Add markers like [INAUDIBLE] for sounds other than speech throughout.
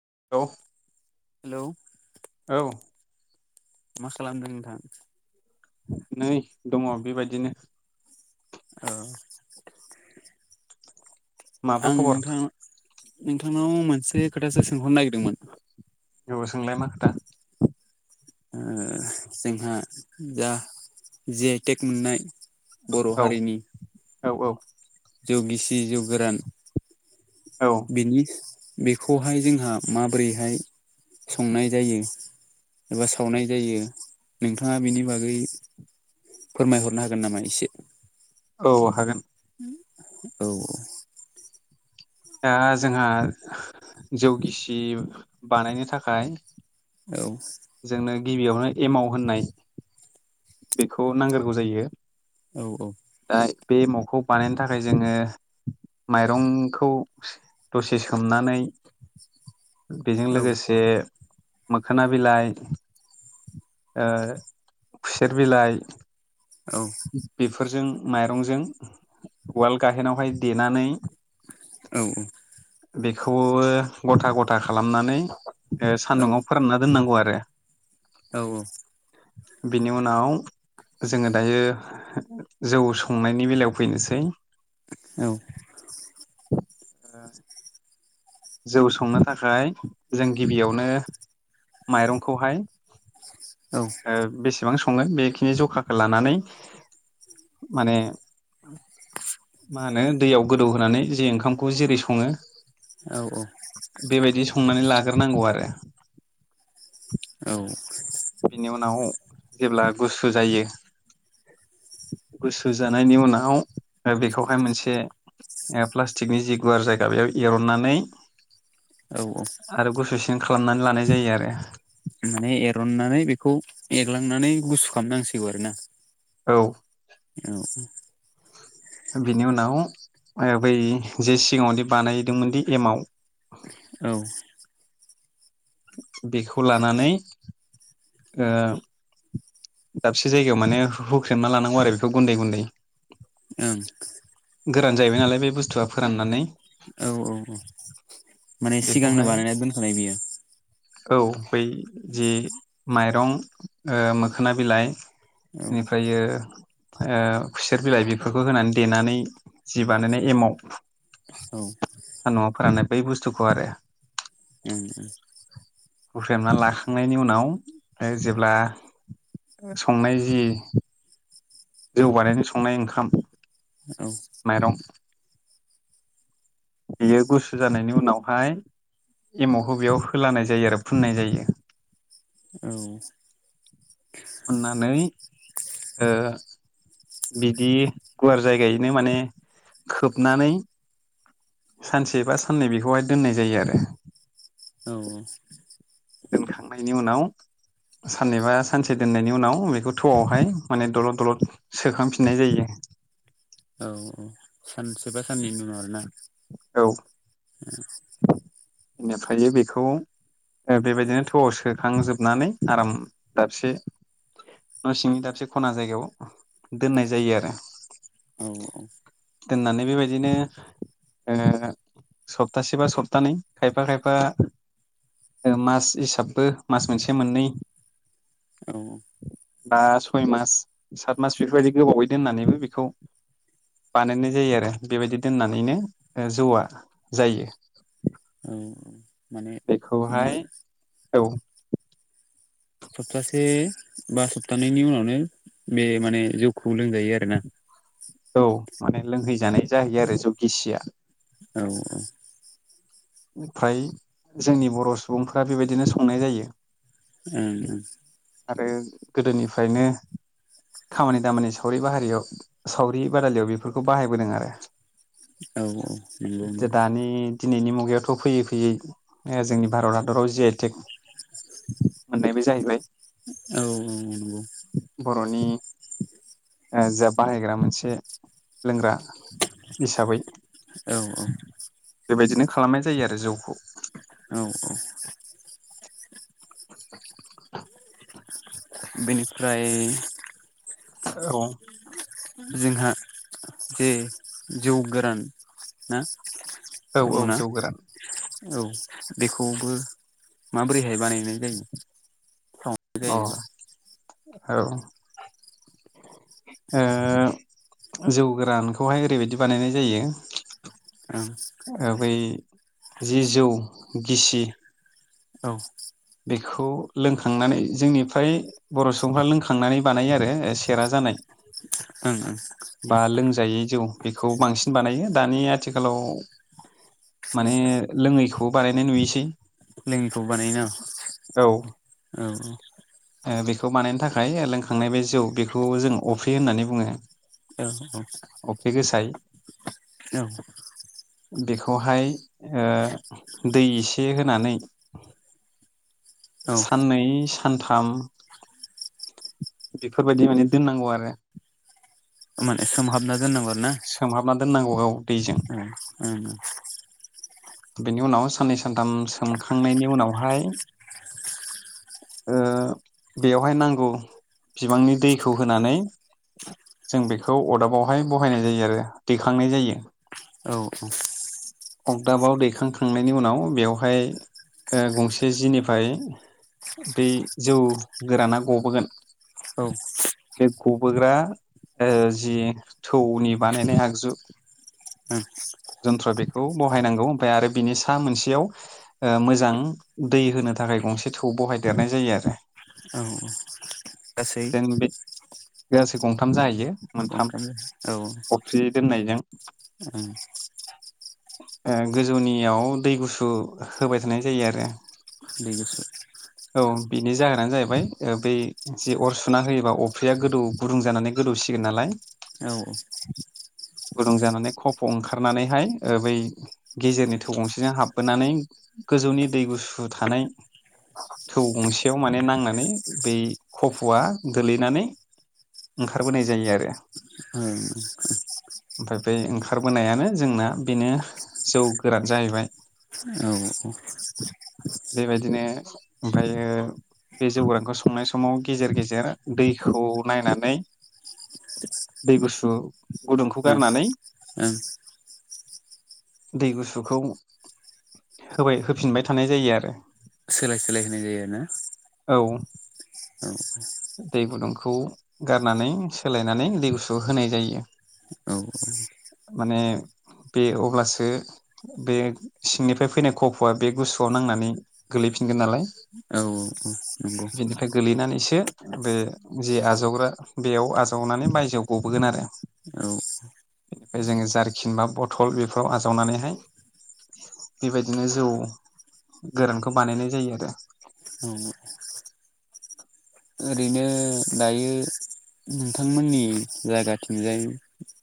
[UNINTELLIGIBLE] Hello औ मा खालामदों नोंथां? नै दङ बेबायदिनो। औ माबा आं खबर नोंथां नोंथांनाव मोनसे खोथासो सोंहरनो नागिरदोंमोन ओ जबो सोंलाय मा खोथा जोंहा जा जि आइ टेक मोननाय बर' औ हारिनि औ औ जौ गिसि जौ गोरान औ बिनि बेखौहाय जोंहा माबोरैहाय संनाय जायो एबा सावनाय जायो नोंथाङा बेनि बागै फोरमायहरनो हागोन नामा एसे औ हागोन औ औ दा जोंहा जौ गिसि बानायनो थाखाय औ जोंनो गिबियावनो एमाव होननाय बेखौ नांग्रोगौ जायो औ औ दा बे एमावखौ बानायनो थाखाय जोङो माइरंखौ दसे सोमनानै बेजों औ लोगोसे मोखोना बिलाइ खुसेर बिलाइ औ बेफोरजों माइरंजों उवाल गाहेनावहाय देनानै औ औ बेखौ गथा गथा खालामनानै सान्दुङाव फोरानना दोननांगौ आरो रो औ औ बिनि उनाव जोङो दायो जौ संनायनि बेलायाव फैनोसै औ ओ जौ संनो थाखाय जों गिबियावनो माइरंखौहाय औ बेसेबां सङो बेखिनि जखाखौ लानानै माने मा होनो दैयाव गोदौहोनानै जे ओंखामखौ जेरै सङो बेबायदि संनानै लाग्रोनांगौ आरो औ बिनि उनाव जेब्ला गुसु जायो गुसु जानायनि उनाव बेखौहाय मोनसे प्लास्टिकनि जि गुवार जायगा बेयाव एरननानै औ आरो गुसुसिन खालामनानै लानाय जायो आरो नानै बेखौ एग्लांनानै गुसु खालामनांसिगौ आरोना औ औ बिनि उनाव बै जे सिगाङावदि बानायदोंमोनदि एमाव औ बेखौ लानानै ओ दाबसे जायगायाव माने हुख्रेमना लानांगौ आरो बेखौ गुन्दै गुन्दै ओं गोरान जाहैबाय नालाय बे बुस्थुआ फोराननानै औ माने सिगांनो बेखौहाय बानायना दोनखानाय बियो औ बै जि माइरं ओ मोखोना बिलाइ औ बेनिफ्राययो ओ खुसेर बिलाइ बेफोरखौ होनानै देनानै जि बानायनाय एमाव माव औ सानदुंआव फोराननाय बै बुस्तुखौ आरो ओं हुख्रेमना लाखांनायनि उनाव जेब्ला संनाय जि जौ बानायनो संनाय ओंखाम औ माइरं बियो गुसु जानायनि उनावहाय एमावखौ बेयाव होलानाय जायो आरो फुननाय जायो। औ उननानै ओ बिदि गुवार जायगायैनो माने खोबनानै सानसे बा साननै बेखौहाय दोननाय जायो आरो [INAUDIBLE] दोनखांनायनि उनाव साननैबा सानसे दोननायनि उनाव बेखौ थौआवहाय माने दलद दलद सोखांफिननाय जायो। सानसे बा साननैनि उन आरोना औ बेनिफ्रायो बेखौ बेबायदिनो थौआव सोखांजोबनानै आराम दाबसे न' सिंनि दाबसे खना जायगायाव दोननाय जायो आरो औ दोननानै बेबायदिनो ओ सप्तासे बा सप्तानै खायफा खायफा मास हिसाबबो मास मोनसे मोननै औ बा सय मास सात मास बेफोरबायदि गोबावै दोननानैबो बेखौ बानायनाय जायो आरो बेबायदि दोननानैनो जौआ जायो। औ माने बेखौहाय औ सप्तासे बा सप्तानैनि उनावनो बे माने जौखौ लोंजायो आरोना औ माने लोंहैजानाय जाहैयो आरो जौ गिसिया औ ओं ओमफ्राय जोंनि बर' सुबुंफ्रा बेबायदिनो संनाय जायो। उम आरो गोदोनिफ्रायनो खामानि दामानि सावरि बाहारियाव सावरि बादालियाव बेफोरखौ बाहायबोदों आरो औ औ दानि नंगौ दिनैनि मुगायाव थ' फैयै फैयै जोंनि भारत हादराव जि आइ टेक मोननायबो जाहैबाय औ औ नंगौ बर'नि जा बाहायग्रा मोनसे लोंग्रा हिसाबै औ नंगौ औ बेबायदिनो खालामनाय जायो आरो जौखौ औ औ [INAUDIBLE] बिनिफ्राय औ जोंहा जे जौ गोरान ना औ औ दङना जौ गोरान औ बेखौबो माबोरैहाय बानायनाय जायो। सम अ जायोबा औ ओ जौ गोरानखौहाय ओरैबायदि बानायनाय जायो ओं ओ बै जि जौ गिसि औ बेखौ लोंखांनानै जोंनिफ्राय बर' सुबुंफ्रा लोंखांनानै बानायो आरो सेरा जानाय। ओं ओं बा लोंजायै जौ बेखौ बांसिन बानायो। दानि आथिखालाव माने लोङैखौबो बानायनाय नुयोसै। लों‌यिखौ बानायोना औ आं औ। ओ बेखौ बानायनो थाखाय लोंखांनाय बे जौ बेखौ जों अफ्रि होननानै बुङो। औ अफ्रि गोसाय औ औ गिदों। बेखौहाय ओ दै एसे होनानै औ साननै सा नथाम बेफोरबायदि माने दोननांगौ आरो। मोन सोमहाबना दोन नांगौ आरो ना। सोमहाबना दोननांगौ औ दैजों ओ ओ बेनि उनाव साननै सानथाम सोमखांनायनि उनावहाय ओ बेयावहाय नांगौ बिबांनि दैखौ होनानै जों बेखौ अरदाबावहाय बहायनाय जायो आरो दैखांनाय जायो। आ दाबाव दैखांखांनायनि उनाव बेवहाय ओ गंसे जिनिफ्राय दै जौ गोराना गबोगोन। औ बे गबोग्रा ओ जि थौनि बानायनाय आगजु जन्थ्र बेखौ ब हायनांगौ ओमफ्राय आरो बिनि सा मोनसेयाव ओ मोजां दै होनो थाखाय गंसे थौ बहाय देरनाय जायो आरो औ गासै जेन बे गासै गंथाम जाहैयो। मोनथाम ओंखारो औ ओं अफ्रि दोननायजों ओ गोजौनियाव दै गुसु होबाय थानाय जायो आरो। [UNINTELLIGIBLE] औ बिनि जाहोनानो जाहैबाय बै जि अर सुना होयोबा अफ्रिया गोदौ गुदुं जानानै गोदौ सिगोन नालाय औ ओं गुदुं जानानै खफ' ओंखारनानैहाय ओ बै गेजेरनि थौ गंसेजों हाबबोनानै गोजौनि दै गुसु थानाय थौ गंसेयाव माने नांनानै बै खफ'आ गोलैनानै ओंखारबोनाय जायो आरो। औ ओमफ्राय बे ओंखारबोनायानो जोंना बेनो जौ गोरान जाहैबाय। [INAUDIBLE] बेबायदिनो ओमफ्रायो बे जौगोरांखौ संनाय समाव गेजेर गेजेर दैखौ नायनानै दै गुसु गुदुंखौ गारनानै [UNINTELLIGIBLE] दै गुसुखौ होबाय होफिनबाय थानाय जायो आलो सोलाय सोलाय होनाय जायो आरो ना। औ दै गुदुंखौ गारनानै सोलायनानै दै गुसु होनाय जायो। औ माने बे अब्लासो [INAUDIBLE] बे सिंनिफ्राय फैनाय खफ'आ बे गुसुआव नांनानै गोलैफिनगोन नालाय [INAUDIBLE] बेनिफ्राय गोलैनानैसो बे जि आजावग्रा बेयाव आजावनानै बायजोआव गबोगोन आरो औ बेनिफाय जोङो जारखिन बा बथल बेफोराव आजावनानैहाय बेबायदिनो जौ गोरानखौ बानायनाय जायो आरो [INAUDIBLE] ओरैनो दायो। नोंथांमोननि जायगाथिंजाय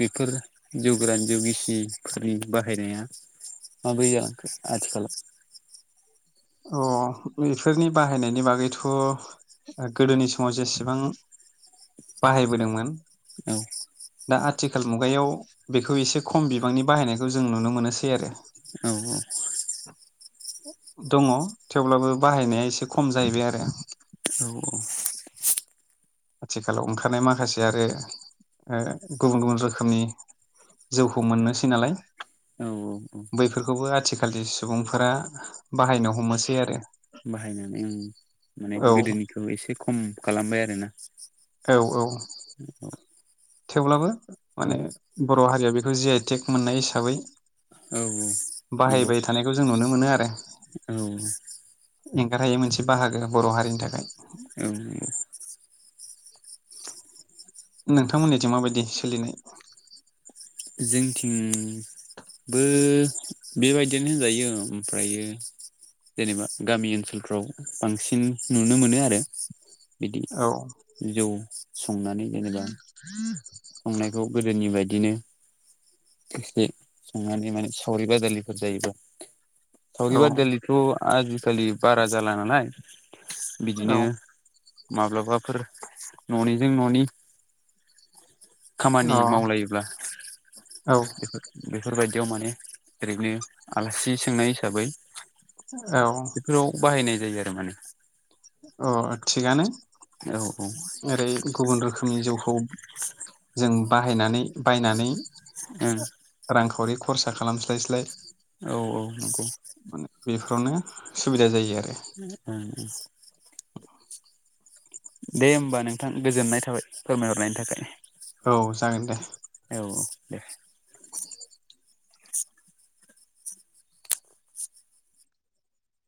बेफोर जौगोरान जौगिसिफोरनि बाहायनाया माब्रै जालांखो आथिखालाव? अ बेफोरनि बाहायनायनि बागैथ' गोदोनि समाव जेसेबां बाहायबोदोंमोन [INAUDIBLE] दा आथिखाल मुगायाव बेखौ एसे खम बिबांनि बाहायनायखौ जों नुनो मोनोसै आरो औ औ दङ थेवब्लाबो बाहायनाया एसे खम जाहैबाय आरो औ औ [INAUDIBLE] आथिखालाव ओंखारनाय माखासे आरो ओ गुबुन गुबुन रोखोमनि जौखौ मोननोसै नालाय औ बैफोरखौबो आथिखालनि सुबुंफोरा बाहायनो हमोसै आरो बाहायनानै ओं माने औ गोदोनिखौ एसे खम खालामबाय आरोना औ औ औ थेवब्लाबो माने बर' हारिया बेखौ जे आइ टेक मोननाय हिसाबै औ नंगौ बाहायबाय थानायखौ जों नुनो मोनो आरो औ एंगारहायै मोनसे बाहागो बर' हारिनि थाखाय नंगौ नोंथांमोननिथिं माबायदि सोलिनाय जोंथिं बेबायदिनो होनजायो ओमफ्रायो जेनेबा गामि ओनसोलफ्राव बांसिन नुनो मोनो आरो बिदि औ जौ संनानै जेनेबा संनायखौ गोदोनि बायदिनो से संनानै माने सावरि बादालिफोर जायोबा सावरि औ बादालिथ' आजिखालि बारा जाला नालाय बिदिनो औ माब्लाबाफोर न'निजों न'नि खामानि अ मावलायोब्ला औ बेफोरबायदि बेयाव माने ओरैनो आलासि सोंनाय हिसाबै बेफोराव बाहायनाय जायो आरो माने अ थिगानो औ औ ओं ओरै गुबुन रोखोमनि जौखौ जों बाहायनानै बायनानै रांखावरि खरसा खालामस्लायस्लाय औ औ नंगौ। बेफोरावनो सुबिदा जायो आरो। [UNINTELLIGIBLE] दे होमबा नोंथां गोजोननाय थाबाय फोरमायहरनायनि थाखाय। औ जागोन दे। औ औ दे [INAUDIBLE]